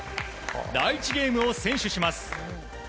第１ゲームを先取します。